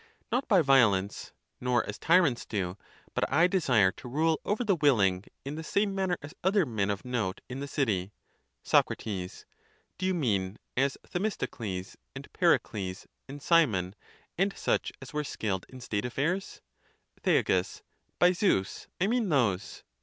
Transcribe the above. Not by violence, nor as tyrants do; but I desire to rule over the willing, in the same manner as other men of note in the city. Soc. Do you mean, as Themistocles, and Pericles, and Ci mon, and such as were skilled in state affairs ? Thea. By Zeus, I mean those.